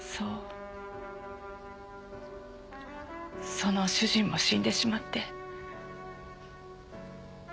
その主人も死んでしまって。